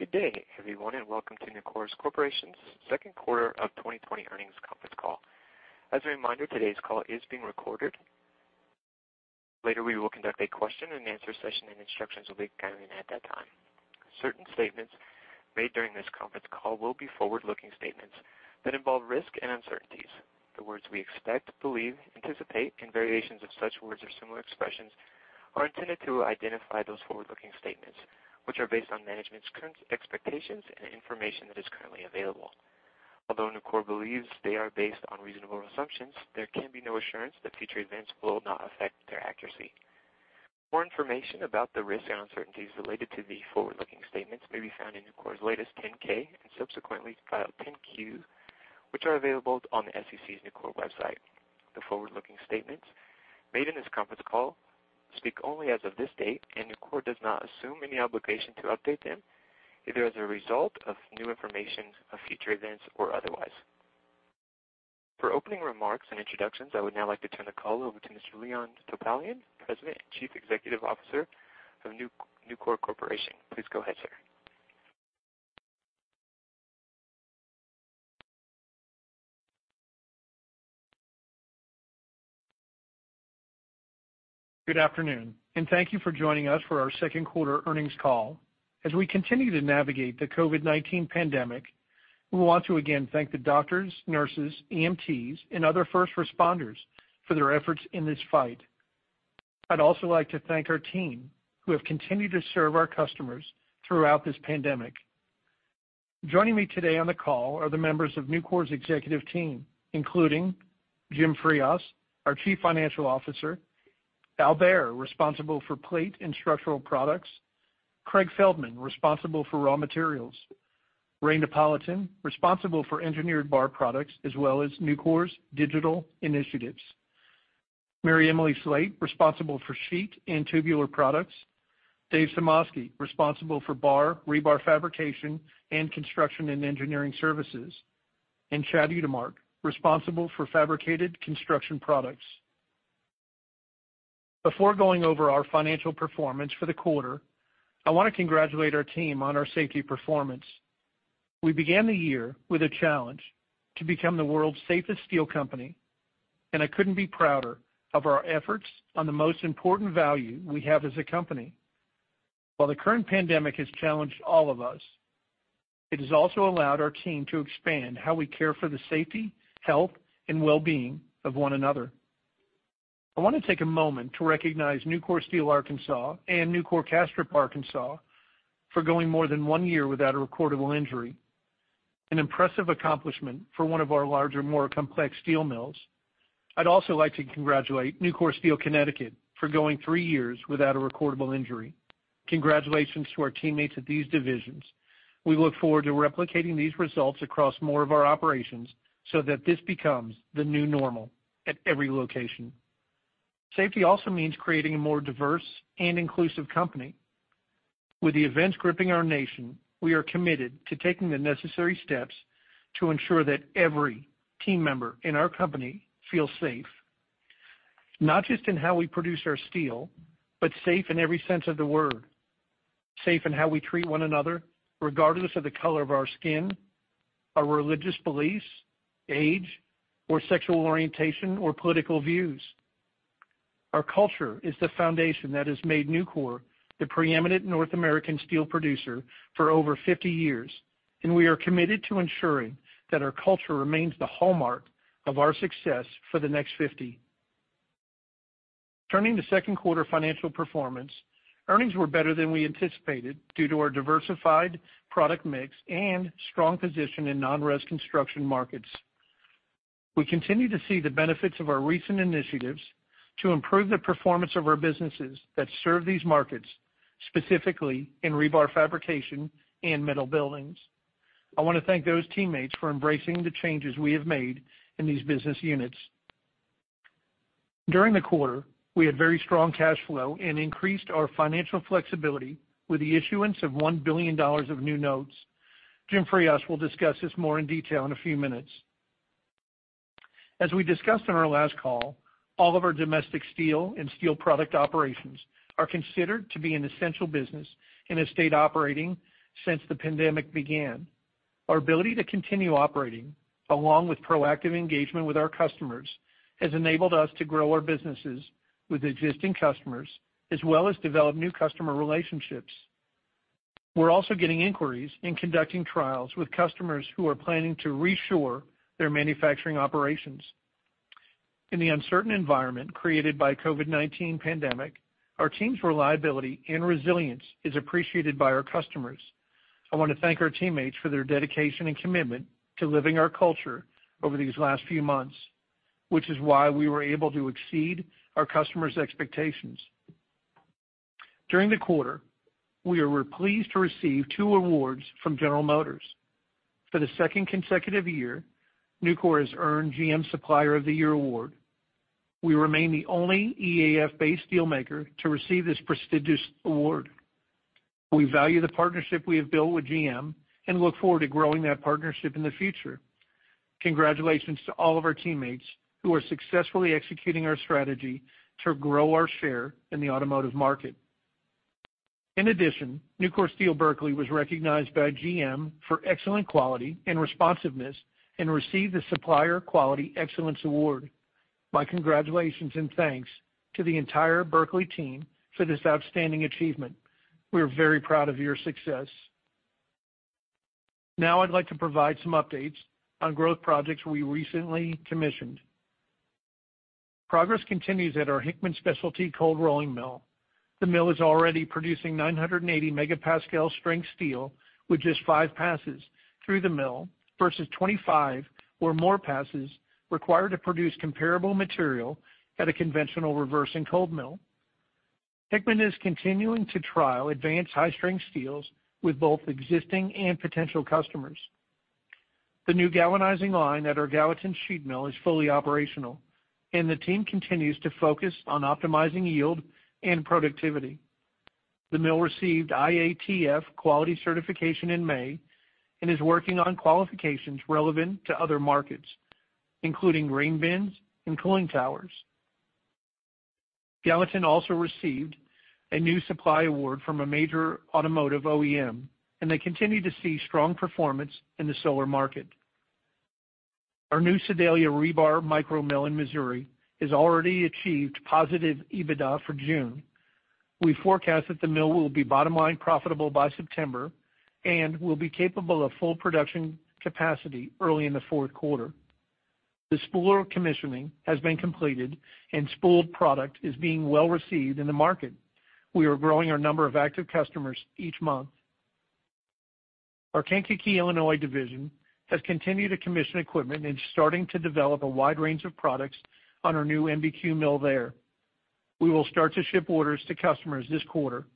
Good day, everyone, and welcome to Nucor Corporation's second quarter of 2020 earnings conference call. As a reminder, today's call is being recorded. Later, we will conduct a question and answer session, and instructions will be given at that time. Certain statements made during this conference call will be forward-looking statements that involve risk and uncertainties. The words we expect, believe, anticipate, and variations of such words or similar expressions are intended to identify those forward-looking statements, which are based on management's current expectations and information that is currently available. Although Nucor believes they are based on reasonable assumptions, there can be no assurance that future events will not affect their accuracy. More information about the risks and uncertainties related to the forward-looking statements may be found in Nucor's latest 10-K and subsequently filed 10-Q, which are available on the SEC's Nucor website. The forward-looking statements made in this conference call speak only as of this date, and Nucor does not assume any obligation to update them either as a result of new information, of future events, or otherwise. For opening remarks and introductions, I would now like to turn the call over to Mr. Leon Topalian, President and Chief Executive Officer of Nucor Corporation. Please go ahead, sir. Good afternoon. Thank you for joining us for our second quarter earnings call. As we continue to navigate the COVID-19 pandemic, we want to again thank the doctors, nurses, EMTs, and other first responders for their efforts in this fight. I'd also like to thank our team, who have continued to serve our customers throughout this pandemic. Joining me today on the call are the members of Nucor's executive team, including Jim Frias, our Chief Financial Officer; Al Behr, responsible for Plate and Structural Products; Craig Feldman, responsible for Raw Materials; Ray Napolitan, responsible for Engineered Bar Products as well as Nucor's Digital Initiatives; MaryEmily Slate, responsible for Sheet and Tubular Products; Dave Sumoski, responsible for Bar, Rebar Fabrication, and Construction and Engineering Services; and Chad Utermark, responsible for Fabricated Construction Products. Before going over our financial performance for the quarter, I want to congratulate our team on our safety performance. We began the year with a challenge to become the world's safest steel company. I couldn't be prouder of our efforts on the most important value we have as a company. While the current pandemic has challenged all of us, it has also allowed our team to expand how we care for the safety, health, and well-being of one another. I want to take a moment to recognize Nucor Steel Arkansas and Nucor Castrip Arkansas for going more than one year without a recordable injury, an impressive accomplishment for one of our larger, more complex steel mills. I'd also like to congratulate Nucor Steel Connecticut for going three years without a recordable injury. Congratulations to our teammates at these divisions. We look forward to replicating these results across more of our operations so that this becomes the new normal at every location. Safety also means creating a more diverse and inclusive company. With the events gripping our nation, we are committed to taking the necessary steps to ensure that every team member in our company feels safe, not just in how we produce our steel, but safe in every sense of the word, safe in how we treat one another, regardless of the color of our skin, our religious beliefs, age, or sexual orientation or political views. Our culture is the foundation that has made Nucor the preeminent North American steel producer for over 50 years, and we are committed to ensuring that our culture remains the hallmark of our success for the next 50. Turning to second quarter financial performance, earnings were better than we anticipated due to our diversified product mix and strong position in non-res construction markets. We continue to see the benefits of our recent initiatives to improve the performance of our businesses that serve these markets, specifically in rebar fabrication and metal buildings. I want to thank those teammates for embracing the changes we have made in these business units. During the quarter, we had very strong cash flow and increased our financial flexibility with the issuance of $1 billion of new notes. Jim Frias will discuss this more in detail in a few minutes. As we discussed on our last call, all of our domestic steel and steel product operations are considered to be an essential business and have stayed operating since the pandemic began. Our ability to continue operating, along with proactive engagement with our customers, has enabled us to grow our businesses with existing customers, as well as develop new customer relationships. We're also getting inquiries and conducting trials with customers who are planning to reshore their manufacturing operations. In the uncertain environment created by COVID-19 pandemic, our team's reliability and resilience is appreciated by our customers. I want to thank our teammates for their dedication and commitment to living our culture over these last few months, which is why we were able to exceed our customers' expectations. During the quarter, we were pleased to receive two awards from General Motors. For the second consecutive year, Nucor has earned GM Supplier of the Year award. We remain the only EAF-based steelmaker to receive this prestigious award. We value the partnership we have built with GM and look forward to growing that partnership in the future. Congratulations to all of our teammates who are successfully executing our strategy to grow our share in the automotive market. Nucor Steel Berkeley was recognized by GM for excellent quality and responsiveness and received the Supplier Quality Excellence Award. My congratulations and thanks to the entire Berkeley team for this outstanding achievement. We are very proud of your success. I'd like to provide some updates on growth projects we recently commissioned. Progress continues at our Hickman Specialty Cold Rolling mill. The mill is already producing 980 megapascal strength steel with just five passes through the mill versus 25 or more passes required to produce comparable material at a conventional reversing cold mill. Hickman is continuing to trial advanced high-strength steels with both existing and potential customers. The new galvanizing line at our Gallatin sheet mill is fully operational, and the team continues to focus on optimizing yield and productivity. The mill received IATF quality certification in May and is working on qualifications relevant to other markets, including grain bins and cooling towers. Gallatin also received a new supply award from a major automotive OEM, and they continue to see strong performance in the solar market. Our new Sedalia rebar micro mill in Missouri has already achieved positive EBITDA for June. We forecast that the mill will be bottom-line profitable by September and will be capable of full production capacity early in the fourth quarter. The spooler commissioning has been completed, and spooled product is being well received in the market. We are growing our number of active customers each month. Our Kankakee, Illinois division has continued to commission equipment and is starting to develop a wide range of products on our new MBQ mill there. We will start to ship orders to customers this quarter.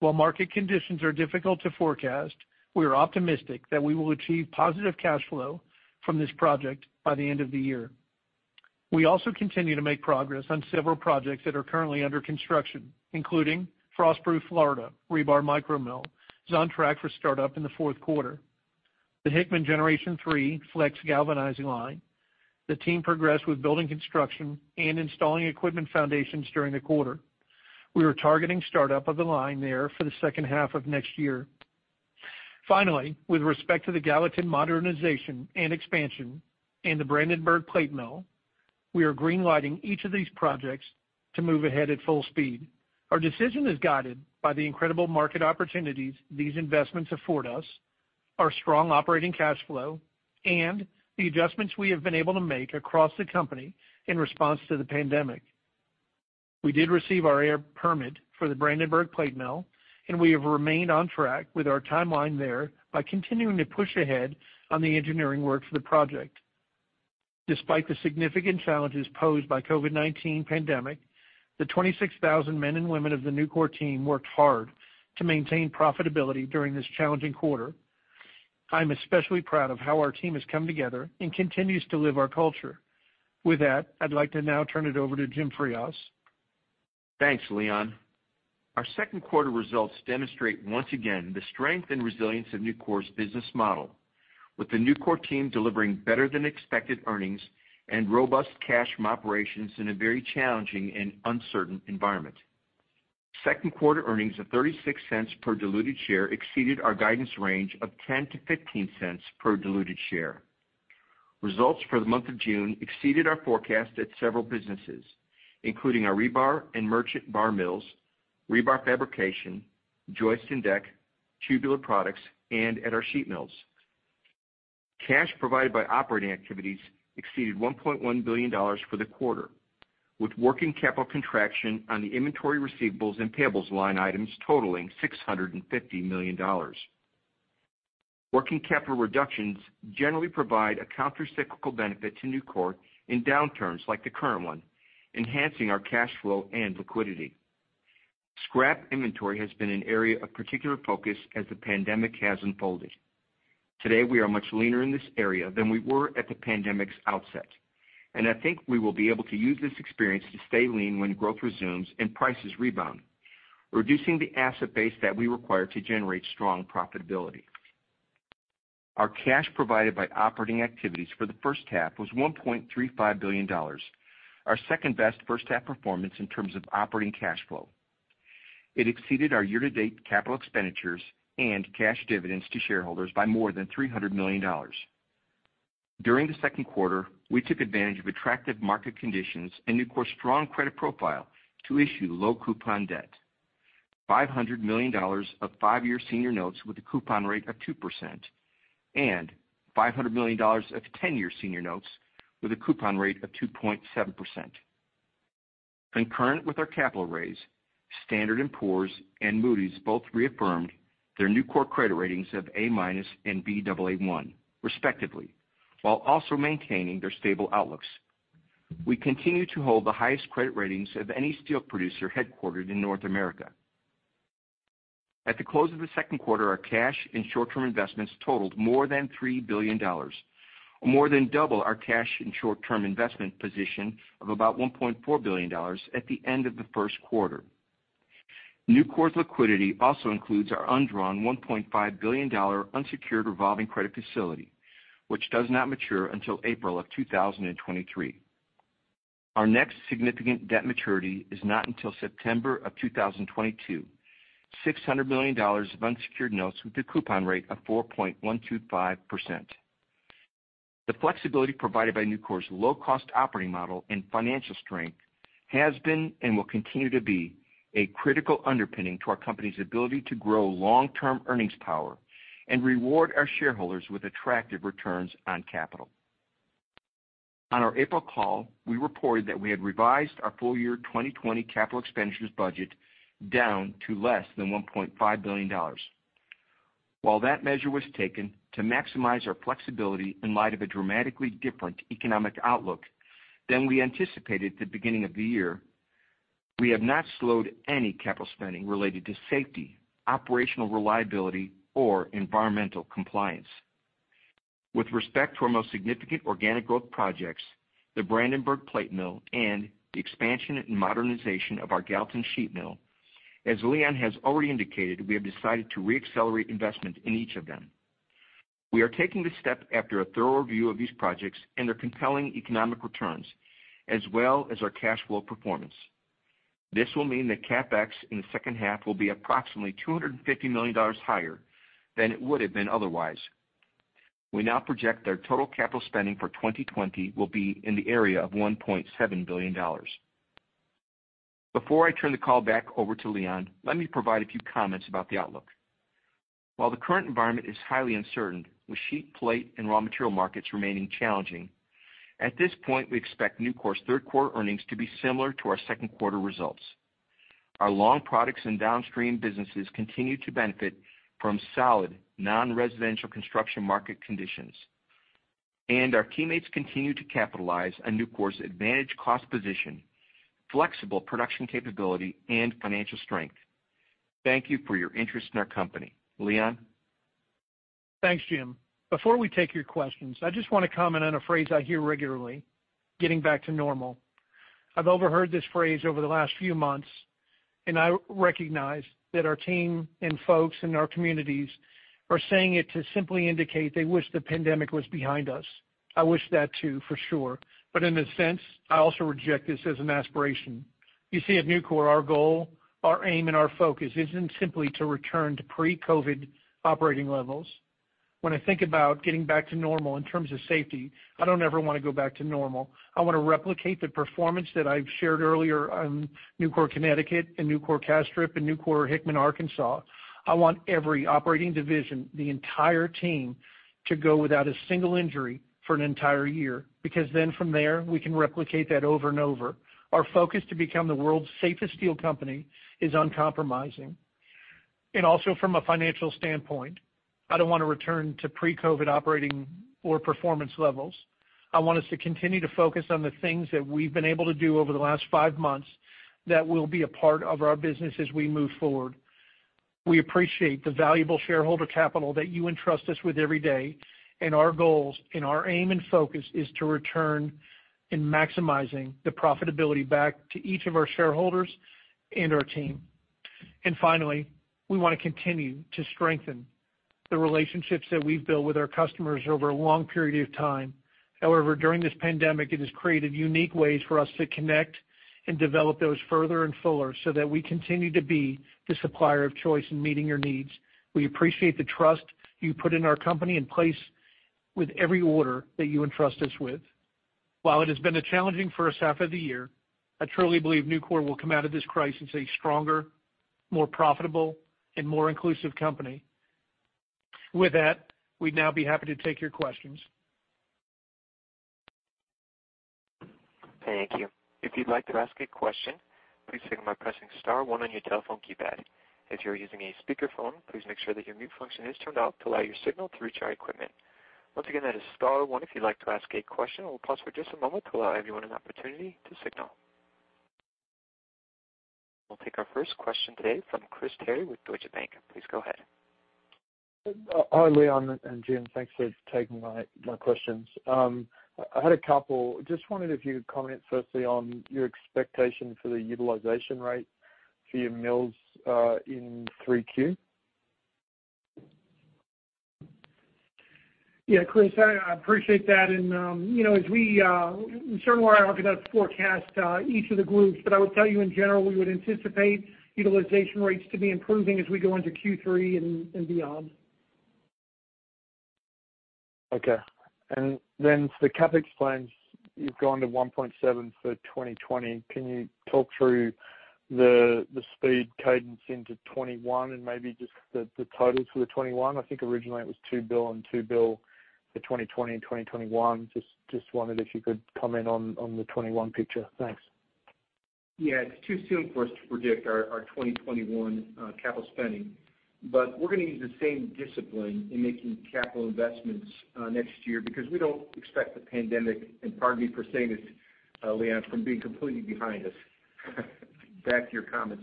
While market conditions are difficult to forecast, we are optimistic that we will achieve positive cash flow from this project by the end of the year. We also continue to make progress on several projects that are currently under construction, including Frostproof, Florida rebar micro mill is on track for startup in the fourth quarter. The Hickman Generation 3 flex galvanizing line. The team progressed with building construction and installing equipment foundations during the quarter. We are targeting startup of the line there for the second half of next year. With respect to the Gallatin modernization and expansion and the Brandenburg plate mill, we are green-lighting each of these projects to move ahead at full speed. Our decision is guided by the incredible market opportunities these investments afford us, our strong operating cash flow, and the adjustments we have been able to make across the company in response to the pandemic. We did receive our air permit for the Brandenburg plate mill, and we have remained on track with our timeline there by continuing to push ahead on the engineering work for the project. Despite the significant challenges posed by COVID-19 pandemic, the 26,000 men and women of the Nucor team worked hard to maintain profitability during this challenging quarter. I'm especially proud of how our team has come together and continues to live our culture. With that, I'd like to now turn it over to Jim Frias. Thanks, Leon. Our second quarter results demonstrate once again the strength and resilience of Nucor's business model, with the Nucor team delivering better-than-expected earnings and robust cash from operations in a very challenging and uncertain environment. Second quarter earnings of $0.36 per diluted share exceeded our guidance range of $0.10-$0.15 per diluted share. Results for the month of June exceeded our forecast at several businesses, including our rebar and merchant bar mills, rebar fabrication, joist and deck, tubular products, and at our sheet mills. Cash provided by operating activities exceeded $1.1 billion for the quarter, with working capital contraction on the inventory receivables and payables line items totaling $650 million. Working capital reductions generally provide a countercyclical benefit to Nucor in downturns like the current one, enhancing our cash flow and liquidity. Scrap inventory has been an area of particular focus as the pandemic has unfolded. Today, we are much leaner in this area than we were at the pandemic's outset. I think we will be able to use this experience to stay lean when growth resumes and prices rebound, reducing the asset base that we require to generate strong profitability. Our cash provided by operating activities for the first half was $1.35 billion, our second-best first-half performance in terms of operating cash flow. It exceeded our year-to-date capital expenditures and cash dividends to shareholders by more than $300 million. During the second quarter, we took advantage of attractive market conditions and Nucor's strong credit profile to issue low coupon debt. $500 million of five-year senior notes with a coupon rate of 2% and $500 million of 10-year senior notes with a coupon rate of 2.7%. Concurrent with our capital raise, Standard & Poor's and Moody's both reaffirmed their Nucor credit ratings of A- and Baa1 respectively, while also maintaining their stable outlooks. We continue to hold the highest credit ratings of any steel producer headquartered in North America. At the close of the second quarter, our cash and short-term investments totaled more than $3 billion, or more than double our cash and short-term investment position of about $1.4 billion at the end of the first quarter. Nucor's liquidity also includes our undrawn $1.5 billion unsecured revolving credit facility, which does not mature until April of 2023. Our next significant debt maturity is not until September of 2022, $600 million of unsecured notes with a coupon rate of 4.125%. The flexibility provided by Nucor's low-cost operating model and financial strength has been and will continue to be a critical underpinning to our company's ability to grow long-term earnings power and reward our shareholders with attractive returns on capital. On our April call, we reported that we had revised our full year 2020 capital expenditures budget down to less than $1.5 billion. While that measure was taken to maximize our flexibility in light of a dramatically different economic outlook than we anticipated at the beginning of the year, we have not slowed any capital spending related to safety, operational reliability, or environmental compliance. With respect to our most significant organic growth projects, the Brandenburg plate mill and the expansion and modernization of our Gallatin sheet mill, as Leon has already indicated, we have decided to re-accelerate investment in each of them. We are taking this step after a thorough review of these projects and their compelling economic returns, as well as our cash flow performance. This will mean that CapEx in the second half will be approximately $250 million higher than it would have been otherwise. We now project that total capital spending for 2020 will be in the area of $1.7 billion. Before I turn the call back over to Leon, let me provide a few comments about the outlook. While the current environment is highly uncertain, with sheet, plate, and raw material markets remaining challenging, at this point, we expect Nucor's third quarter earnings to be similar to our second quarter results. Our long products and downstream businesses continue to benefit from solid non-residential construction market conditions. Our teammates continue to capitalize on Nucor's advantage cost position, flexible production capability, and financial strength. Thank you for your interest in our company. Leon? Thanks, Jim. Before we take your questions, I just want to comment on a phrase I hear regularly, getting back to normal. I've overheard this phrase over the last few months, and I recognize that our team and folks in our communities are saying it to simply indicate they wish the pandemic was behind us. I wish that too, for sure. In a sense, I also reject this as an aspiration. You see, at Nucor, our goal, our aim, and our focus isn't simply to return to pre-COVID operating levels. When I think about getting back to normal in terms of safety, I don't ever want to go back to normal. I want to replicate the performance that I've shared earlier on Nucor Connecticut and Nucor Castrip and Nucor Hickman, Arkansas. I want every operating division, the entire team, to go without a single injury for an entire year, because then from there, we can replicate that over and over. Our focus to become the world's safest steel company is uncompromising. Also from a financial standpoint, I don't want to return to pre-COVID operating or performance levels. I want us to continue to focus on the things that we've been able to do over the last five months that will be a part of our business as we move forward. We appreciate the valuable shareholder capital that you entrust us with every day, and our goals and our aim and focus is to return in maximizing the profitability back to each of our shareholders and our team. Finally, we want to continue to strengthen the relationships that we've built with our customers over a long period of time. However, during this pandemic, it has created unique ways for us to connect and develop those further and fuller so that we continue to be the supplier of choice in meeting your needs. We appreciate the trust you put in our company in place with every order that you entrust us with. While it has been a challenging first half of the year, I truly believe Nucor will come out of this crisis a stronger, more profitable, and more inclusive company. With that, we'd now be happy to take your questions. Thank you. If you'd like to ask a question, please signal by pressing *1 on your telephone keypad. If you're using a speakerphone, please make sure that your mute function is turned off to allow your signal to reach our equipment. Once again, that is *1 if you'd like to ask a question. We'll pause for just a moment to allow everyone an opportunity to signal. We'll take our first question today from Chris Terry with Deutsche Bank. Please go ahead. Hi, Leon and Jim. Thanks for taking my questions. I had a couple. Just wondering if you could comment firstly on your expectation for the utilization rate for your mills in 3Q? Yeah, Chris, I appreciate that. We certainly won't have a forecast for each of the groups, but I would tell you in general, we would anticipate utilization rates to be improving as we go into Q3 and beyond. Okay. For the CapEx plans, you've gone to $1.7 for 2020. Can you talk through the spend cadence into 2021 and maybe just the totals for 2021? I think originally it was $2 billion and $2 billion for 2020 and 2021. Just wondered if you could comment on the 2021 picture. Thanks. Yeah. It's too soon for us to predict our 2021 capital spending. We're going to use the same discipline in making capital investments next year because we don't expect the pandemic, and pardon me for saying this, Leon, from being completely behind us. Back to your comment.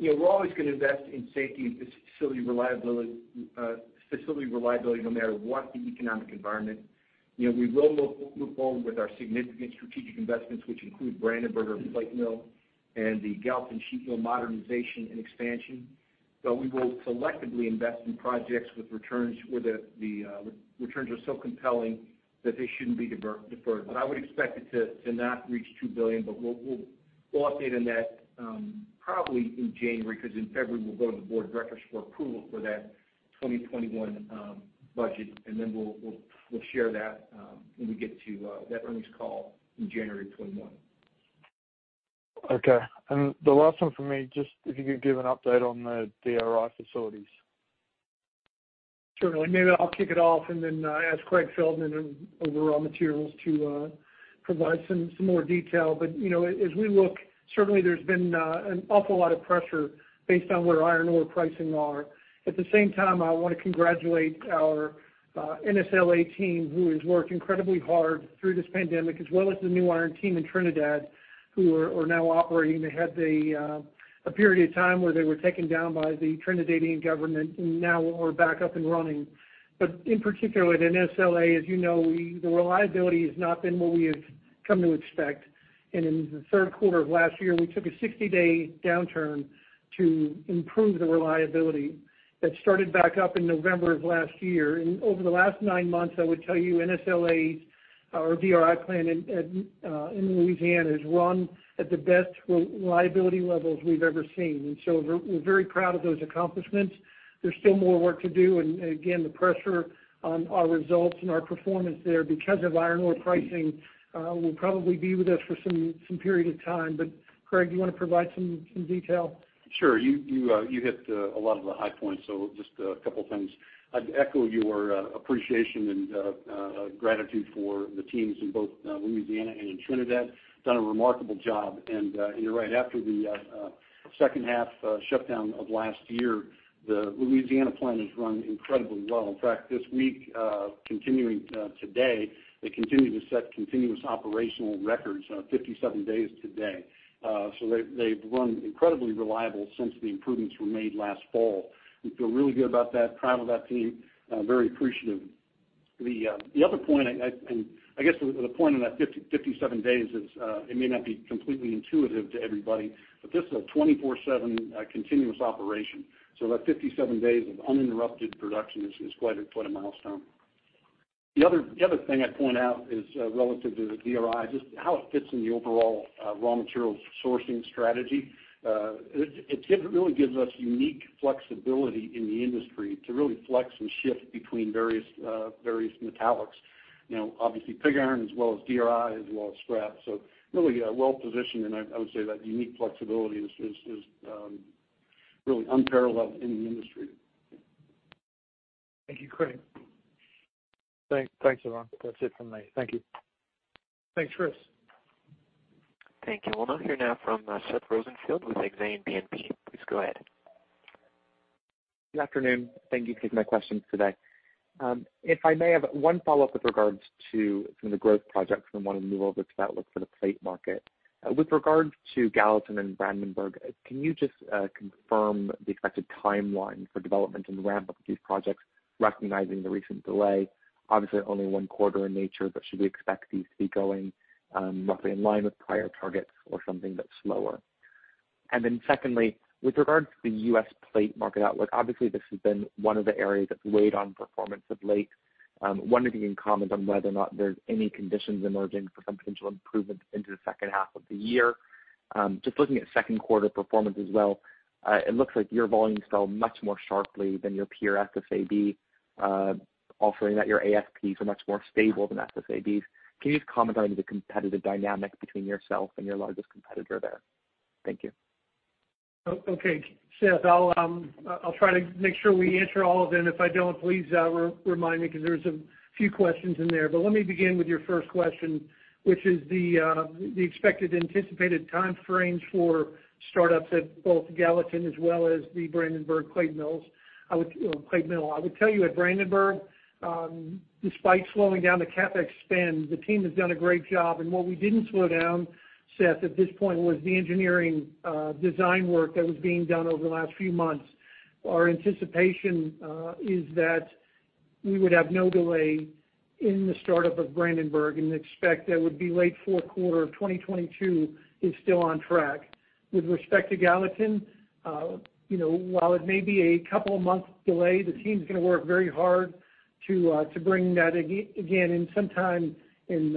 We're always going to invest in safety and facility reliability no matter what the economic environment. We will move forward with our significant strategic investments, which include Brandenburg plate mill and the Gallatin sheet mill modernization and expansion. We will selectively invest in projects where the returns are so compelling that they shouldn't be deferred. I would expect it to not reach $2 billion. We'll update on that probably in January, because in February, we'll go to the board of directors for approval for that 2021 budget, and then we'll share that when we get to that earnings call in January 2021. Okay. The last one for me, just if you could give an update on the DRI facilities. Certainly. Maybe I'll kick it off and then ask Craig Feldman in overall materials to provide some more detail. As we look, certainly there's been an awful lot of pressure based on where iron ore pricing are. At the same time, I want to congratulate our NSLA team who has worked incredibly hard through this pandemic, as well as the Nu-Iron team in Trinidad who are now operating. They had a period of time where they were taken down by the Trinidadian government, and now we're back up and running. In particular, at NSLA, you know, the reliability has not been what we have come to expect. In the third quarter of last year, we took a 60-day downturn to improve the reliability. That started back up in November of last year. Over the last nine months, I would tell you NSLA's, our DRI plant in Louisiana has run at the best reliability levels we've ever seen. So we're very proud of those accomplishments. There's still more work to do, and again, the pressure on our results and our performance there because of iron ore pricing will probably be with us for some period of time. Craig, do you want to provide some detail? Sure. You hit a lot of the high points, just a couple of things. I'd echo your appreciation and gratitude for the teams in both Louisiana and in Trinidad. Done a remarkable job. You're right. After the second half shutdown of last year, the Louisiana plant has run incredibly well. In fact, this week, continuing today, they continue to set continuous operational records, 57 days today. They've run incredibly reliable since the improvements were made last fall. We feel really good about that. Proud of that team. Very appreciative. The other point, I guess the point on that 57 days is it may not be completely intuitive to everybody, but this is a 24/7 continuous operation. That 57 days of uninterrupted production is quite a milestone. The other thing I'd point out is relative to the DRI, just how it fits in the overall raw material sourcing strategy. It really gives us unique flexibility in the industry to really flex and shift between various metallics. Obviously pig iron as well as DRI as well as scrap. Really well-positioned, and I would say that unique flexibility is really unparalleled in the industry. Thank you, Craig. Thanks, everyone. That's it from me. Thank you. Thanks, Chris. Thank you. We'll now hear now from Seth Rosenfield with Exane BNP. Please go ahead. Good afternoon. Thank you for taking my questions today. If I may have one follow-up with regards to some of the growth projects, want to move over to that look for the plate market. With regards to Gallatin and Brandenburg, can you just confirm the expected timeline for development and ramp-up of these projects, recognizing the recent delay? Obviously, only one quarter in nature, should we expect these to be going roughly in line with prior targets or something that's slower? Secondly, with regards to the U.S. plate market outlook, obviously this has been one of the areas that's weighed on performance of late. Wondering if you can comment on whether or not there's any conditions emerging for some potential improvements into the second half of the year. Just looking at second quarter performance as well, it looks like your volumes fell much more sharply than your peer SSAB, offering that your ASPs are much more stable than SSABs. Can you just comment on the competitive dynamic between yourself and your largest competitor there? Thank you. Okay, Seth, I'll try to make sure we answer all of them. If I don't, please remind me, because there's a few questions in there. Let me begin with your first question, which is the expected anticipated time frames for startups at both Gallatin as well as the Brandenburg plate mill. I would tell you at Brandenburg, despite slowing down the CapEx spend, the team has done a great job. What we didn't slow down, Seth, at this point, was the engineering design work that was being done over the last few months. Our anticipation is that we would have no delay in the startup of Brandenburg and expect that would be late fourth quarter of 2022 is still on track. With respect to Gallatin, while it may be a couple of months delay, the team's going to work very hard to bring that again in sometime in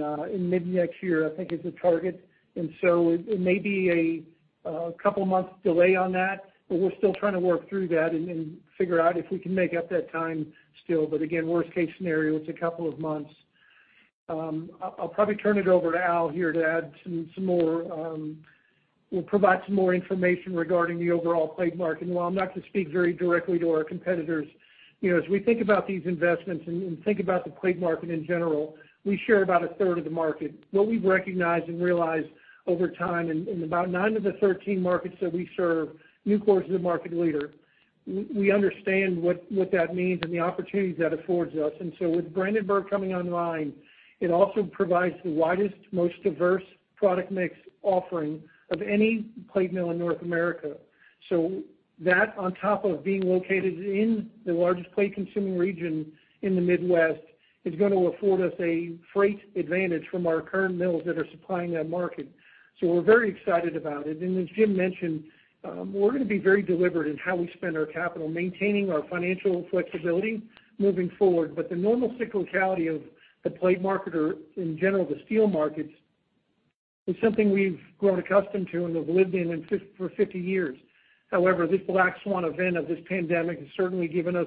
mid-next year, I think is the target. It may be a couple months delay on that, but we're still trying to work through that and figure out if we can make up that time still. Again, worst case scenario, it's a couple of months. I'll probably turn it over to Al here. We'll provide some more information regarding the overall plate market. While I'm not going to speak very directly to our competitors, as we think about these investments and think about the plate market in general, we share about a third of the market. What we've recognized and realized over time in about 9 of the 13 markets that we serve, Nucor is a market leader. We understand what that means and the opportunities that affords us. With Brandenburg coming online, it also provides the widest, most diverse product mix offering of any plate mill in North America. That, on top of being located in the largest plate-consuming region in the Midwest, is going to afford us a freight advantage from our current mills that are supplying that market. We're very excited about it. As Jim mentioned, we're going to be very deliberate in how we spend our capital, maintaining our financial flexibility moving forward. The normal cyclicality of the plate market or, in general, the steel markets is something we've grown accustomed to and have lived in for 50 years. This black swan event of this pandemic has certainly given us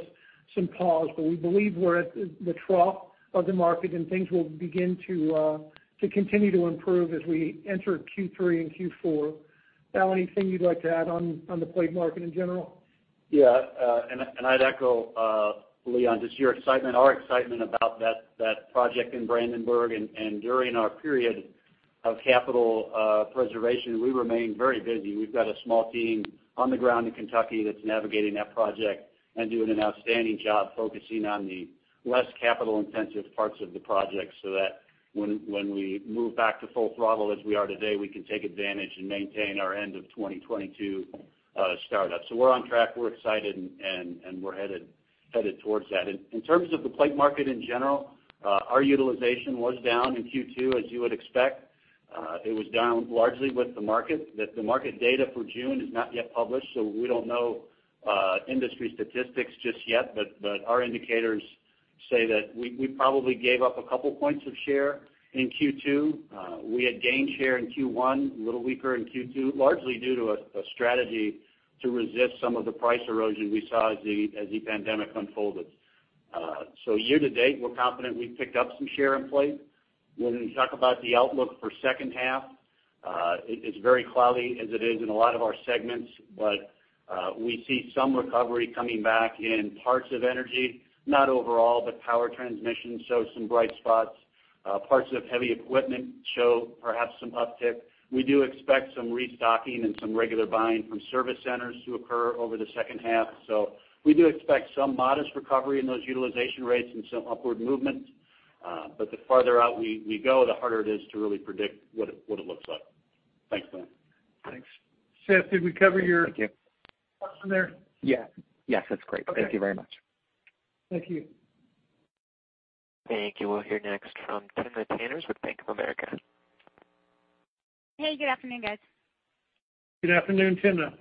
some pause. We believe we're at the trough of the market, and things will begin to continue to improve as we enter Q3 and Q4. Al, anything you'd like to add on the plate market in general? Yeah. I'd echo, Leon, just your excitement, our excitement about that project in Brandenburg. During our period of capital preservation, we remain very busy. We've got a small team on the ground in Kentucky that's navigating that project and doing an outstanding job focusing on the less capital-intensive parts of the project so that when we move back to full throttle, as we are today, we can take advantage and maintain our end of 2022 startup. We're on track, we're excited, and we're headed towards that. In terms of the plate market in general, our utilization was down in Q2, as you would expect. It was down largely with the market. The market data for June is not yet published. We don't know industry statistics just yet. Our indicators say that we probably gave up a couple points of share in Q2. We had gained share in Q1, a little weaker in Q2, largely due to a strategy to resist some of the price erosion we saw as the pandemic unfolded. Year to date, we're confident we've picked up some share in plate. When we talk about the outlook for second half it is very cloudy as it is in a lot of our segments. We see some recovery coming back in parts of energy, not overall, but power transmission shows some bright spots. Parts of heavy equipment show perhaps some uptick. We do expect some restocking and some regular buying from service centers to occur over the second half. We do expect some modest recovery in those utilization rates and some upward movement. The farther out we go, the harder it is to really predict what it looks like. Thanks, Leon. Thanks. Seth, did we cover? Thank you. questions there? Yes. That's great. Okay. Thank you very much. Thank you. Thank you. We'll hear next from Timna Tanners with Bank of America. Hey, good afternoon, guys. Good afternoon, Timna.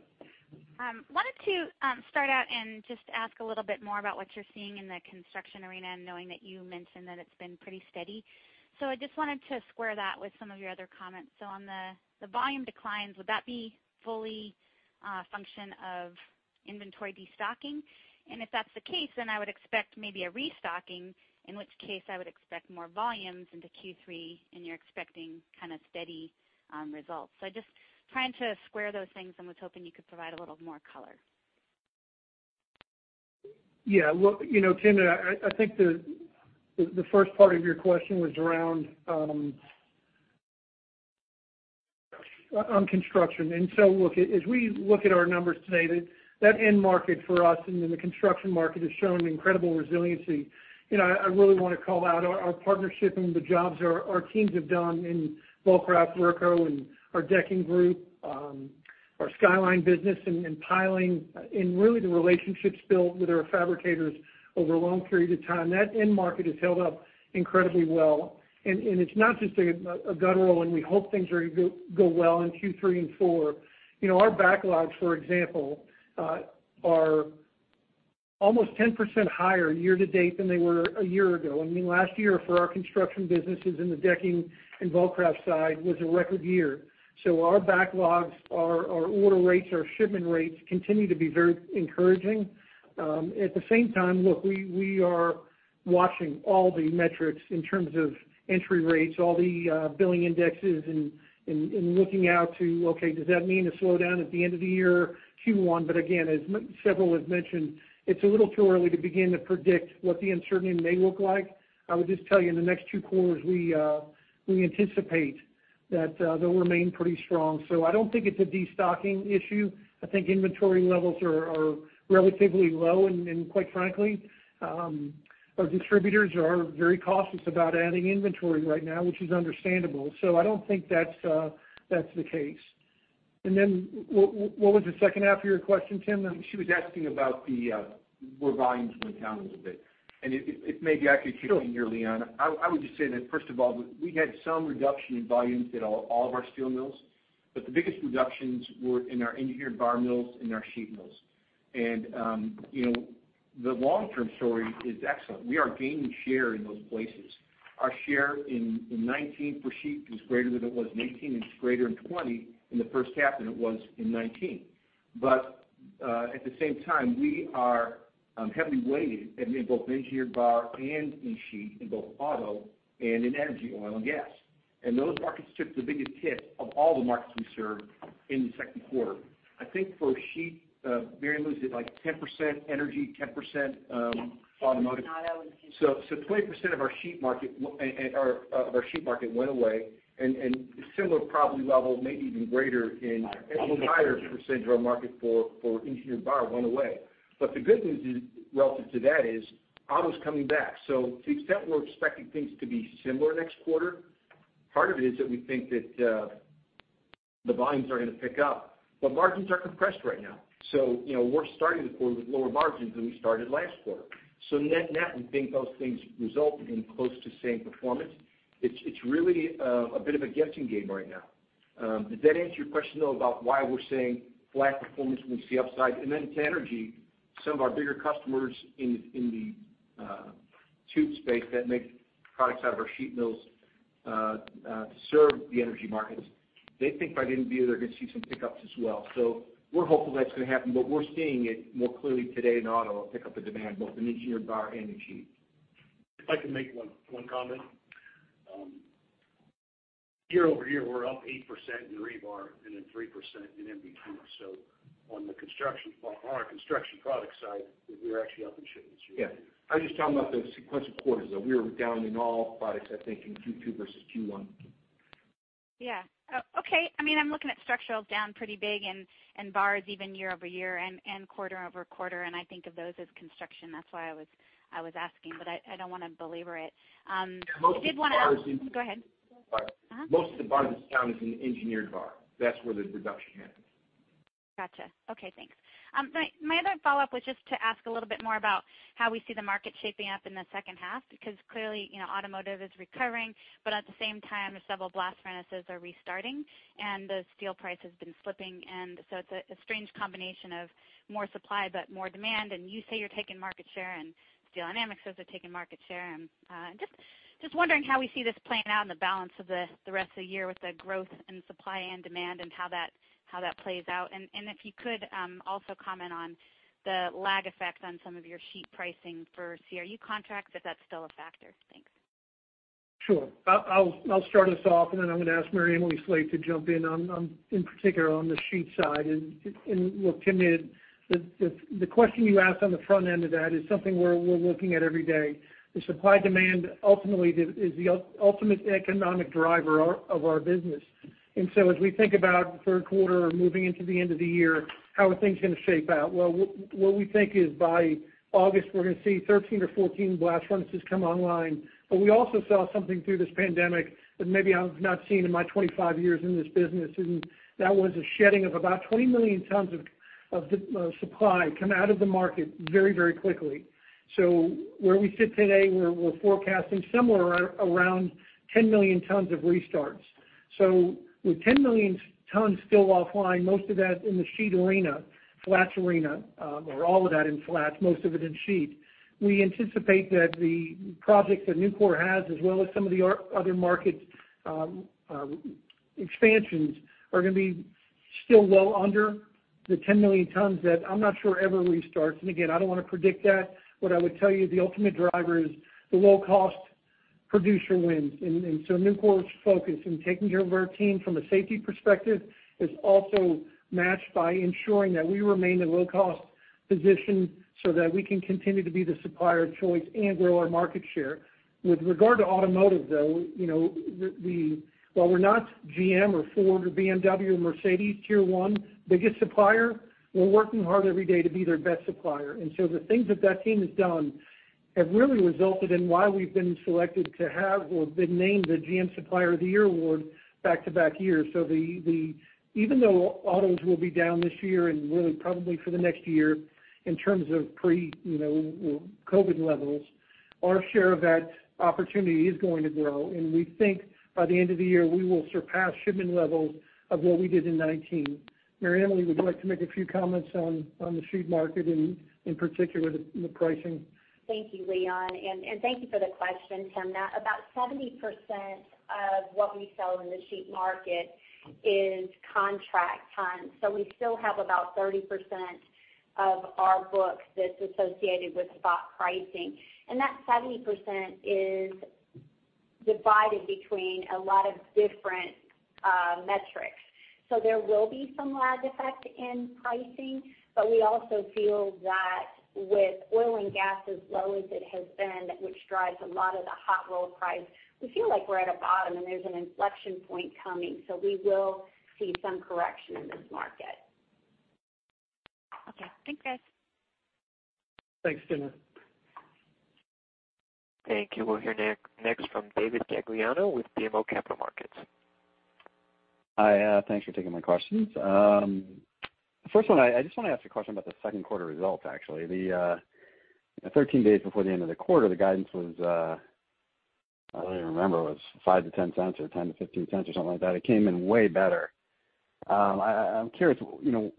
Wanted to start out and just ask a little bit more about what you're seeing in the construction arena and knowing that you mentioned that it's been pretty steady. I just wanted to square that with some of your other comments. On the volume declines, would that be fully a function of inventory destocking? If that's the case, I would expect maybe a restocking, in which case, I would expect more volumes into Q3, and you're expecting steady results. Just trying to square those things and was hoping you could provide a little more color. Timna, I think the first part of your question was around construction. As we look at our numbers today, that end market for us and the construction market has shown incredible resiliency. I really want to call out our partnership and the jobs our teams have done in Vulcraft, Verco, and our decking group, our Skyline business, and piling, really the relationships built with our fabricators over a long period of time. That end market has held up incredibly well. It's not just a gut roll, and we hope things are go well in Q3 and four. Our backlogs, for example, are almost 10% higher year to date than they were a year ago. Last year for our construction businesses in the decking and Vulcraft side was a record year. Our backlogs, our order rates, our shipment rates continue to be very encouraging. At the same time, look, we are watching all the metrics in terms of entry rates, all the billing indexes, and looking out to, okay, does that mean a slowdown at the end of the year Q1? Again, as several have mentioned, it's a little too early to begin to predict what the uncertainty may look like. I would just tell you, in the next two quarters, we anticipate that they'll remain pretty strong. I don't think it's a destocking issue. I think inventory levels are relatively low, and quite frankly, our distributors are very cautious about adding inventory right now, which is understandable. I don't think that's the case. What was the second half of your question, Tim? She was asking about where volumes went down a little bit. It may be I could take it here, Leon. Sure. I would just say that, first of all, we had some reduction in volumes at all of our steel mills, but the biggest reductions were in our engineered bar mills and our sheet mills. The long-term story is excellent. We are gaining share in those places. Our share in 2019 for sheet is greater than it was in 2018, and it's greater in 2020 in the first half than it was in 2019. At the same time, we are heavily weighted in both engineered bar and in sheet, in both auto and in energy, oil, and gas. Those markets took the biggest hit of all the markets we serve in the second quarter. I think for sheet, MaryEmily, is it like 10% energy, 10% automotive? Yes. Auto and sheet. 20% of our sheet market went away, and similar probably level, maybe even greater percentage of our market for engineered bar went away. The good news relative to that is auto's coming back. To the extent we're expecting things to be similar next quarter, part of it is that we think that the volumes are going to pick up. Margins are compressed right now, so we're starting the quarter with lower margins than we started last quarter. Net, we think those things result in close to same performance. It's really a bit of a guessing game right now. Does that answer your question, though, about why we're saying flat performance when we see upside? To energy, some of our bigger customers in the tube space that make products out of our sheet mills to serve the energy markets, they think by end of year, they're going to see some pickups as well. We're hopeful that's going to happen, but we're seeing it more clearly today in auto, a pickup in demand, both in engineered bar and in sheet. If I can make one comment. Year-over-year, we're up 8% in rebar and 3% in mechanical tubing. On our construction product side, we're actually up in shipments year-over-year. Yeah. I was just talking about the sequential quarters, though. We were down in all products, I think, in Q2 versus Q1. Yeah. Okay. I'm looking at structural is down pretty big and bars even year-over-year and quarter-over-quarter, and I think of those as construction. That's why I was asking, I don't want to belabor it. Most of the bar is in- Go ahead. Uh-huh. Most of the bar that's down is in engineered bar. That's where the reduction is. Got you. Okay, thanks. My other follow-up was just to ask a little bit more about how we see the market shaping up in the second half. Automotive is recovering, but at the same time, several blast furnaces are restarting, and the steel price has been slipping. It's a strange combination of more supply but more demand. You say you're taking market share, and Steel Dynamics says they're taking market share. Just wondering how we see this playing out in the balance of the rest of the year with the growth in supply and demand and how that plays out. If you could also comment on the lag effect on some of your sheet pricing for CRU contracts, if that's still a factor. Thanks. Sure. I'll start us off, then I'm going to ask MaryEmily Slate to jump in particular on the sheet side. Look, Timna, the question you asked on the front end of that is something we're looking at every day. The supply-demand ultimately is the ultimate economic driver of our business. As we think about the third quarter or moving into the end of the year, how are things going to shape out? Well, what we think is by August, we're going to see 13-14 blast furnaces come online. We also saw something through this pandemic that maybe I've not seen in my 25 years in this business, and that was a shedding of about 20 million tons of supply come out of the market very quickly. Where we sit today, we're forecasting somewhere around 10 million tons of restarts. With 10 million tons still offline, most of that in the sheet arena, flats arena, or all of that in flats, most of it in sheet. We anticipate that the projects that Nucor has, as well as some of the other market expansions, are going to be still well under the 10 million tons that I'm not sure ever restarts. Again, I don't want to predict that. What I would tell you, the ultimate driver is the low-cost producer wins. Nucor's focus in taking care of our team from a safety perspective is also matched by ensuring that we remain in low-cost position so that we can continue to be the supplier of choice and grow our market share. With regard to automotive, though, while we're not GM or Ford or BMW or Mercedes tier 1 biggest supplier, we're working hard every day to be their best supplier. The things that team has done have really resulted in why we've been selected to have or have been named the GM Supplier of the Year award back-to-back years. Even though autos will be down this year and really probably for the next year in terms of pre-COVID-19 levels, our share of that opportunity is going to grow. We think by the end of the year, we will surpass shipment levels of what we did in 2019. MaryEmily, would you like to make a few comments on the sheet market, in particular the pricing? Thank you, Leon, and thank you for the question, Timna. About 70% of what we sell in the sheet market is contract ton. We still have about 30% of our book that's associated with spot pricing, and that 70% is divided between a lot of different metrics. There will be some lag effect in pricing, but we also feel that with oil and gas as low as it has been, which drives a lot of the hot-rolled price, we feel like we're at a bottom and there's an inflection point coming. We will see some correction in this market. Okay. Thanks, guys. Thanks, Timna. Thank you. We'll hear next from David Gagliano with BMO Capital Markets. Hi. Thanks for taking my questions. First one, I just want to ask a question about the second quarter results, actually. The 13 days before the end of the quarter, the guidance was, I don't even remember, it was $0.05-$0.10 or $0.10-$0.15 or something like that. It came in way better. I'm curious,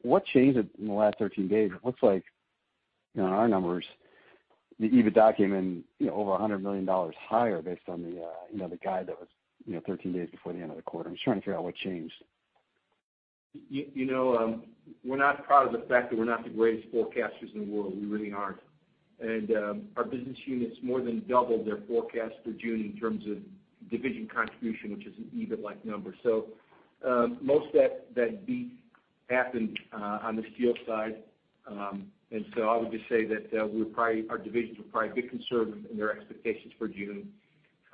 what changed in the last 13 days? It looks like in our numbers, the EBITDA came in over $100 million higher based on the guide that was 13 days before the end of the quarter. I'm just trying to figure out what changed. We're not proud of the fact that we're not the greatest forecasters in the world. We really aren't. Our business units more than doubled their forecast for June in terms of division contribution, which is an EBIT-like number. Most of that beat happened on the steel side. I would just say that our divisions were probably a bit conservative in their expectations for June.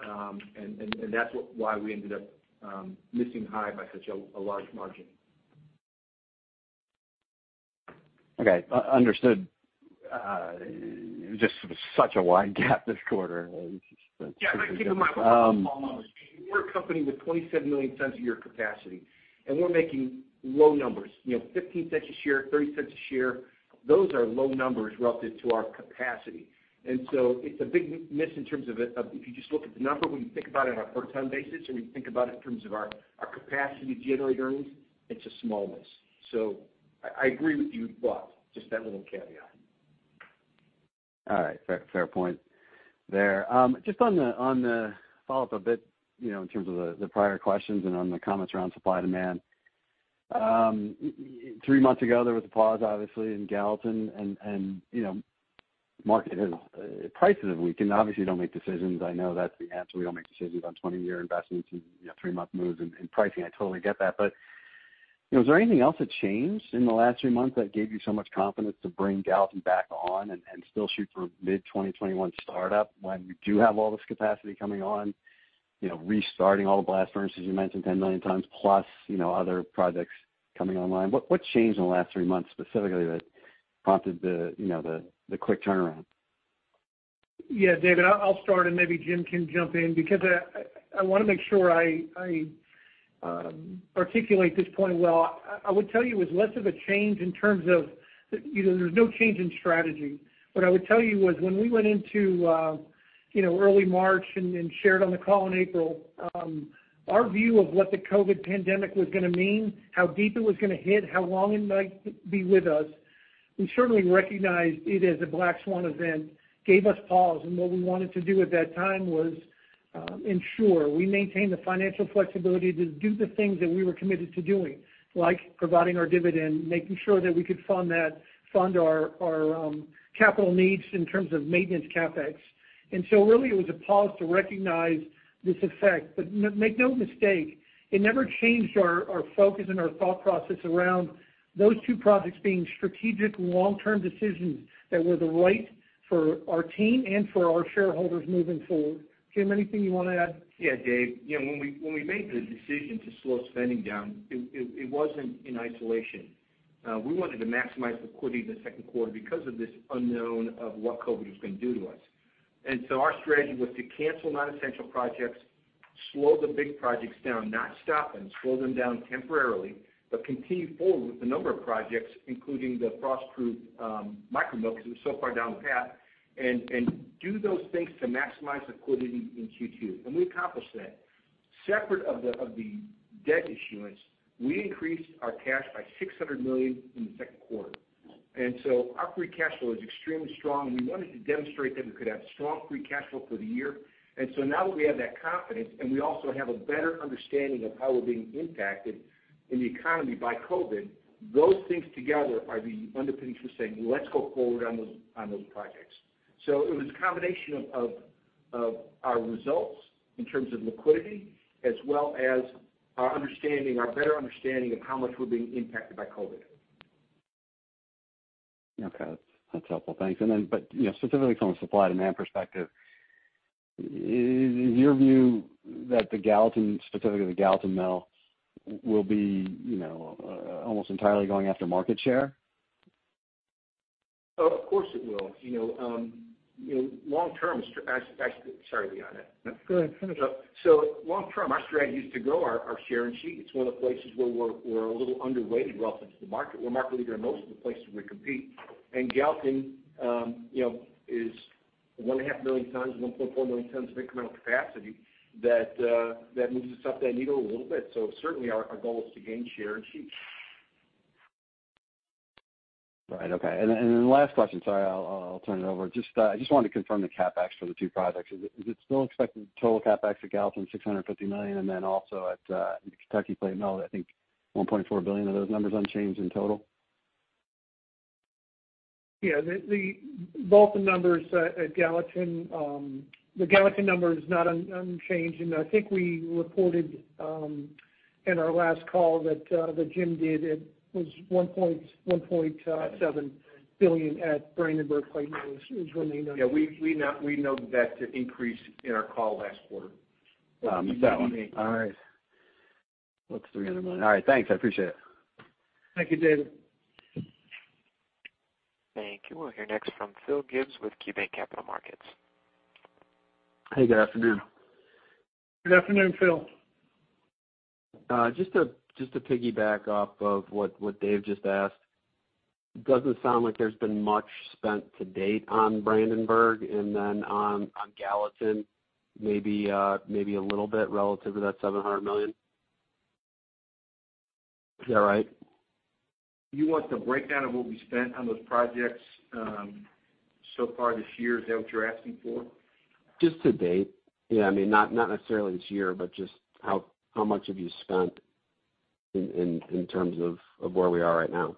That's why we ended up missing high by such a large margin. Okay. Understood. Just such a wide gap this quarter. Keep in mind, we're a company with 27 million tons a year capacity, and we're making low numbers, $0.15 a share, $0.30 a share. Those are low numbers relative to our capacity. It's a big miss in terms of it, if you just look at the number, when you think about it on a per ton basis, and when you think about it in terms of our capacity to generate earnings, it's a small miss. I agree with you, but just that little caveat. All right. Fair point there. Just on the follow-up a bit, in terms of the prior questions and on the comments around supply and demand. Three months ago, there was a pause, obviously, in Gallatin and market prices have weakened. Obviously, you don't make decisions. I know that's the answer. We don't make decisions on 20-year investments in three-month moves in pricing. I totally get that. Is there anything else that changed in the last three months that gave you so much confidence to bring Gallatin back on and still shoot for mid-2021 startup, when you do have all this capacity coming on, restarting all the blast furnaces you mentioned 10 million times, plus other projects coming online? What changed in the last three months specifically that prompted the quick turnaround? Yeah, David, I'll start and maybe Jim can jump in, because I want to make sure I articulate this point well. I would tell you it was less of a change. There's no change in strategy. What I would tell you was when we went into early March and shared on the call in April, our view of what the COVID pandemic was going to mean, how deep it was going to hit, how long it might be with us, we certainly recognized it as a black swan event, gave us pause. What we wanted to do at that time was ensure we maintained the financial flexibility to do the things that we were committed to doing, like providing our dividend, making sure that we could fund our capital needs in terms of maintenance CapEx. Really it was a pause to recognize this effect. Make no mistake, it never changed our focus and our thought process around those two projects being strategic long-term decisions that were right for our team and for our shareholders moving forward. Jim, anything you want to add? Yeah, Dave. When we made the decision to slow spending down, it wasn't in isolation. We wanted to maximize liquidity in the second quarter because of this unknown of what COVID was going to do to us. Our strategy was to cancel non-essential projects, slow the big projects down, not stop them, slow them down temporarily, but continue forward with a number of projects, including the Frostproof micro mill, because it was so far down the path, and do those things to maximize liquidity in Q2. We accomplished that. Separate of the debt issuance, we increased our cash by $600 million in the second quarter. Our free cash flow is extremely strong, and we wanted to demonstrate that we could have strong free cash flow for the year. Now that we have that confidence, and we also have a better understanding of how we're being impacted in the economy by COVID, those things together are the underpinnings for saying, "Let's go forward on those projects." It was a combination of our results in terms of liquidity as well as our better understanding of how much we're being impacted by COVID. Okay. That's helpful. Thanks. Specifically from a supply and demand perspective, is your view that the Gallatin, specifically the Gallatin Mill, will be almost entirely going after market share? Of course it will. Sorry, Leon. Go ahead. Finish up. Long term, our strategy is to grow our share in sheet. It's one of the places where we're a little underweight relative to the market. We're a market leader in most of the places we compete. Gallatin is 1.5 million tons, 1.4 million tons of incremental capacity. That moves us up that needle a little bit. Certainly our goal is to gain share in sheet. Right. Okay. The last question. Sorry, I'll turn it over. I just wanted to confirm the CapEx for the two projects. Is it still expected total CapEx at Gallatin $650 million, also at the Kentucky Plate Mill, I think, $1.4 billion? Are those numbers unchanged in total? Yeah. Both the numbers at Gallatin. The Gallatin number is not changed, and I think we reported in our last call that Jim did, it was $1.7 billion at Brandenburg Plate Mill is what we noted. Yeah, we noted that increase in our call last quarter. I missed that one. All right. $300 million. All right, thanks. I appreciate it. Thank you, David. Thank you. We'll hear next from Phil Gibbs with KeyBanc Capital Markets. Hey, good afternoon. Good afternoon, Phil. Just to piggyback off of what Dave just asked. It doesn't sound like there's been much spent to date on Brandenburg, and then on Gallatin, maybe a little bit relative to that $700 million. Is that right? You want the breakdown of what we spent on those projects, so far this year? Is that what you're asking for? Just to date. Yeah. Not necessarily this year, but just how much have you spent in terms of where we are right now?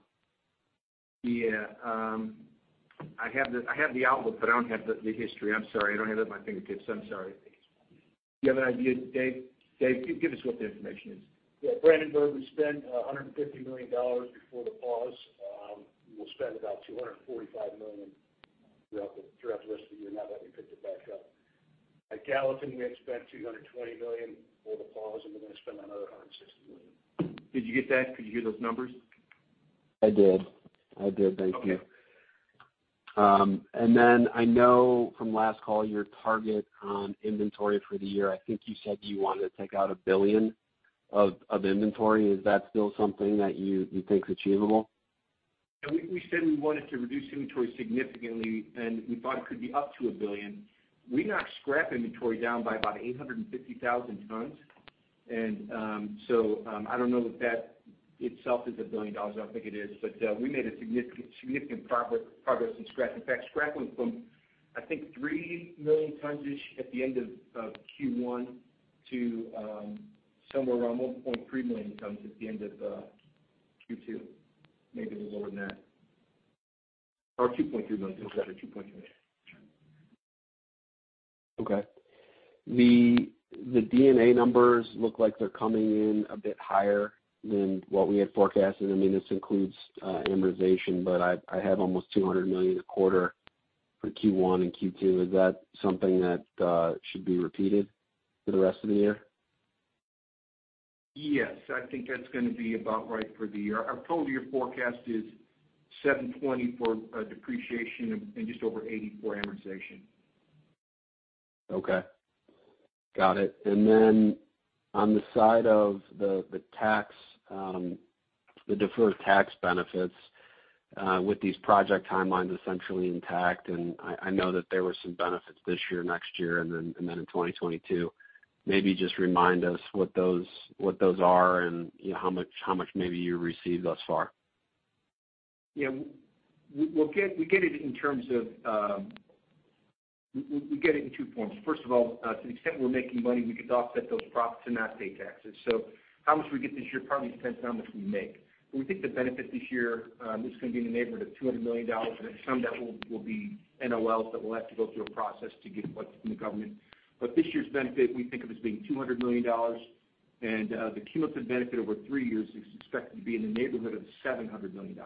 Yeah. I have the outlook, but I don't have the history. I'm sorry. I don't have that at my fingertips. I'm sorry. Do you have an idea, Dave? Dave, give us what the information is. Yeah, Brandenburg, we spent $150 million before the pause. We will spend about $245 million throughout the rest of the year now that we picked it back up. At Gallatin, we had spent $220 million before the pause, and we're going to spend another $160 million. Did you get that? Could you hear those numbers? I did. Thank you. Okay. I know from last call, your target on inventory for the year, I think you said you wanted to take out $1 billion of inventory. Is that still something that you think is achievable? We said we wanted to reduce inventory significantly, and we thought it could be up to $1 billion. We knocked scrap inventory down by about 850,000 tons. I don't know that that itself is $1 billion. I don't think it is. We made significant progress in scrap. In fact, scrap went from, I think, 3 million tons-ish at the end of Q1 to, somewhere around 1.3 million tons at the end of Q2. Maybe a little more than that. 2.3 million tons. Got it, 2.3 million. Okay. The D&A numbers look like they're coming in a bit higher than what we had forecasted. This includes amortization, but I have almost $200 million a quarter for Q1 and Q2. Is that something that should be repeated for the rest of the year? Yes. I think that's going to be about right for the year. Our total year forecast is $720 for depreciation and just over $80 for amortization. Okay. Got it. On the side of the deferred tax benefits, with these project timelines essentially intact, I know that there were some benefits this year, next year, then in 2022. Maybe just remind us what those are and how much maybe you received thus far. Yeah. We get it in two forms. First of all, to the extent we're making money, we could offset those profits and not pay taxes. How much we get this year probably depends on how much we make. We think the benefit this year, this is going to be in the neighborhood of $200 million, and some of that will be NOLs that we'll have to go through a process to get from the government. This year's benefit, we think of as being $200 million. The cumulative benefit over three years is expected to be in the neighborhood of $700 million.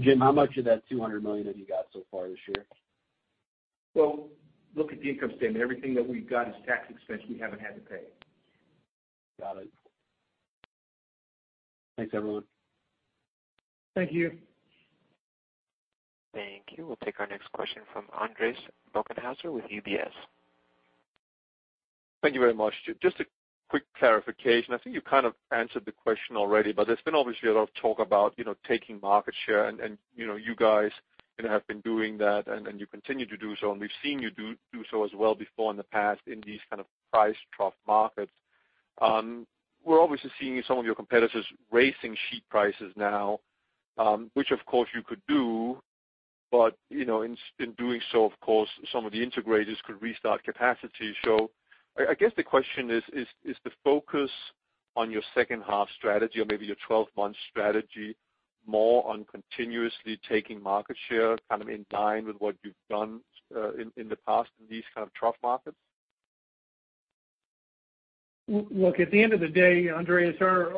Jim, how much of that $200 million have you got so far this year? Well, look at the income statement. Everything that we've got is tax expense we haven't had to pay. Got it. Thanks, everyone. Thank you. Thank you. We'll take our next question from Andreas Neukirchner with UBS. Thank you very much. Just a quick clarification. I think you kind of answered the question already, there's been obviously a lot of talk about taking market share and you guys have been doing that, and you continue to do so, and we've seen you do so as well before in the past in these kind of price trough markets. We're obviously seeing some of your competitors raising sheet prices now, which of course, you could do. In doing so, of course, some of the integrateds could restart capacity. I guess the question is the focus on your second half strategy or maybe your 12-month strategy more on continuously taking market share, kind of in line with what you've done in the past in these kind of trough markets? Look, at the end of the day, Andreas, our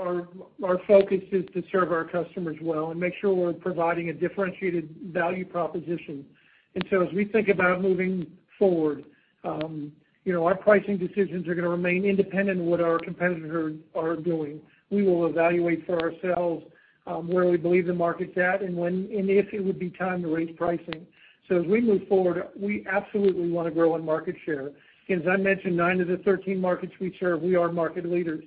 focus is to serve our customers well and make sure we're providing a differentiated value proposition. As we think about moving forward, our pricing decisions are going to remain independent of what our competitors are doing. We will evaluate for ourselves, where we believe the market's at and when, and if it would be time to raise pricing. As we move forward, we absolutely want to grow on market share. As I mentioned, nine of the 13 markets we serve, we are market leaders.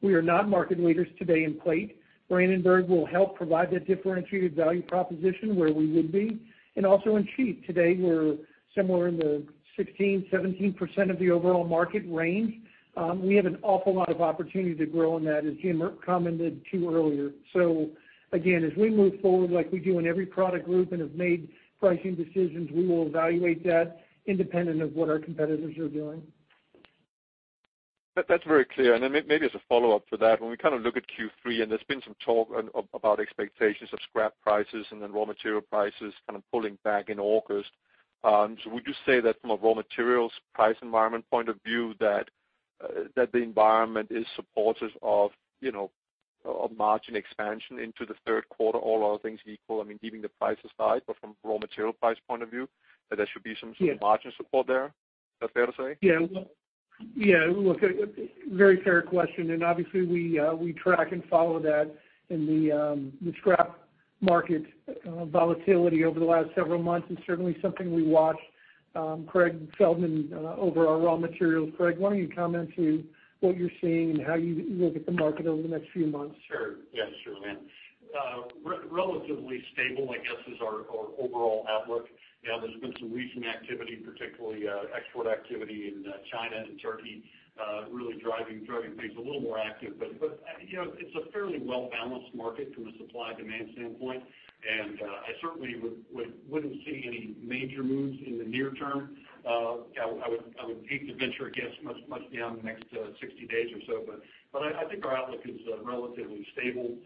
We are not market leaders today in plate. Brandenburg will help provide that differentiated value proposition where we would be. Also in sheet. Today, we're somewhere in the 16%, 17% of the overall market range. We have an awful lot of opportunity to grow in that, as Jim commented to earlier. Again, as we move forward like we do in every product group and have made pricing decisions, we will evaluate that independent of what our competitors are doing. That's very clear. Maybe as a follow-up to that, when we look at Q3, there's been some talk about expectations of scrap prices, raw material prices kind of pulling back in August. Would you say that from a raw materials price environment point of view, that the environment is supportive of margin expansion into the third quarter, all other things equal? I mean, leaving the prices aside, but from a raw material price point of view? Yeah margin support there? Is that fair to say? Yeah. Obviously, we track and follow that in the scrap market volatility over the last several months, and certainly something we watch Craig Feldman over our raw materials. Craig, why don't you comment to what you're seeing and how you look at the market over the next few months? Sure. Yes, sure. Relatively stable, I guess, is our overall outlook. There's been some recent activity, particularly export activity in China and Turkey really driving things a little more active. It's a fairly well-balanced market from a supply-demand standpoint, and I certainly wouldn't see any major moves in the near term. I would hate to venture a guess much beyond the next 60 days or so, but I think our outlook is relatively stable.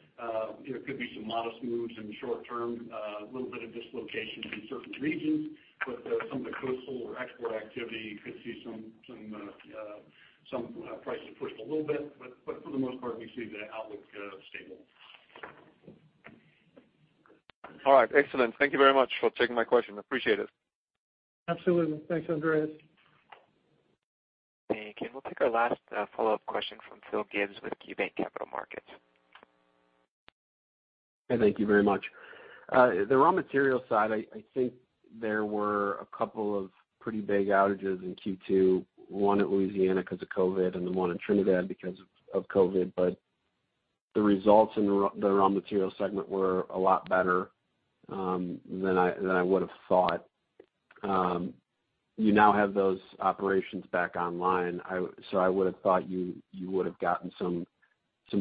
There could be some modest moves in the short term, a little bit of dislocation in certain regions, but some of the coastal or export activity could see some prices push a little bit. For the most part, we see the outlook stable. All right. Excellent. Thank you very much for taking my question. Appreciate it. Absolutely. Thanks, Andreas. Thank you. We'll take our last follow-up question from Phil Gibbs with KeyBanc Capital Markets. Hey, thank you very much. The raw material side, I think there were a couple of pretty big outages in Q2, one at Louisiana because of COVID-19 and the one in Trinidad because of COVID-19. The results in the raw material segment were a lot better than I would've thought. You now have those operations back online. I would've thought you would've gotten some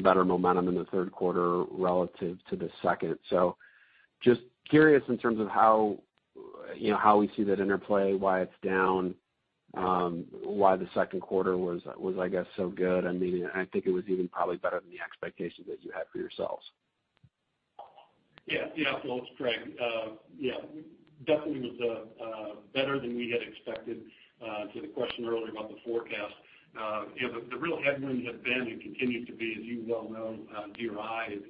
better momentum in the third quarter relative to the second. Just curious in terms of how we see that interplay, why it's down, why the second quarter was, I guess, so good. I think it was even probably better than the expectations that you had for yourselves. Phil, it's Craig. Definitely was better than we had expected. To the question earlier about the forecast, the real headwind had been, and continues to be, as you well know, DRI is,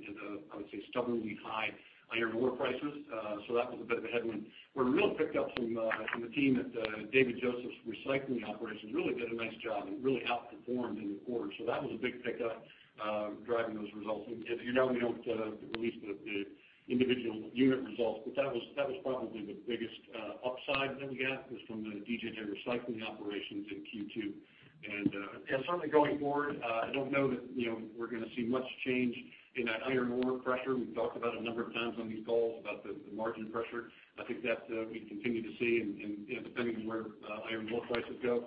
I would say, stubbornly high iron ore prices. That was a bit of a headwind. Where it really picked up from the team at David J. Joseph's Recycling operations really did a nice job and really outperformed in the quarter. That was a big pickup driving those results. You know we don't release the individual unit results, but that was probably the biggest upside that we got was from the DJJ Recycling operations in Q2. Certainly going forward, I don't know that we're going to see much change in that iron ore pressure. We've talked about it a number of times on these calls about the margin pressure. I think that we continue to see, and depending on where iron ore prices go,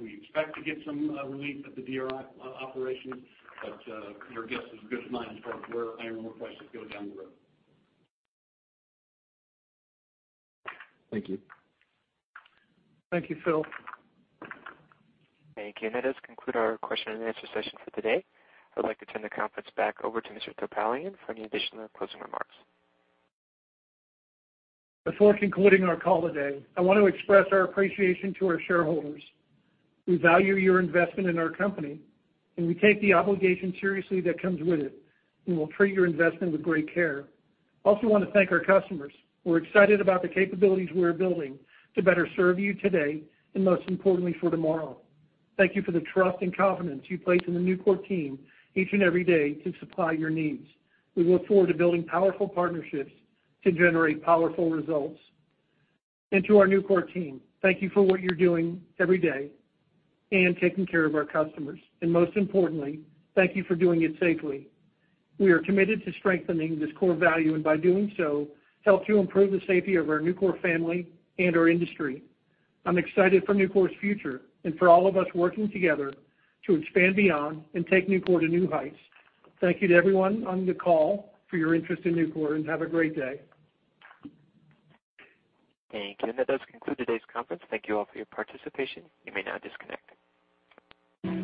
we expect to get some relief at the DRI operations. Your guess is as good as mine as far as where iron ore prices go down the road. Thank you. Thank you, Phil. Thank you. That does conclude our question and answer session for today. I'd like to turn the conference back over to Mr. Topalian for any additional closing remarks. Before concluding our call today, I want to express our appreciation to our shareholders. We value your investment in our company, and we take the obligation seriously that comes with it, and we'll treat your investment with great care. I also want to thank our customers. We're excited about the capabilities we're building to better serve you today, and most importantly, for tomorrow. Thank you for the trust and confidence you place in the Nucor team each and every day to supply your needs. We look forward to building powerful partnerships to generate powerful results. To our Nucor team, thank you for what you're doing every day and taking care of our customers. Most importantly, thank you for doing it safely. We are committed to strengthening this core value, and by doing so, help to improve the safety of our Nucor family and our industry. I'm excited for Nucor's future and for all of us working together to expand beyond and take Nucor to new heights. Thank you to everyone on the call for your interest in Nucor, and have a great day. Thank you. That does conclude today's conference. Thank you all for your participation. You may now disconnect.